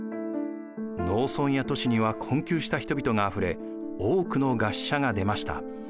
農村や都市には困窮した人々があふれ多くの餓死者が出ました。